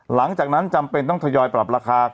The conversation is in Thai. หลังจากนั้นจำเป็นต้องทยอยปรับราคา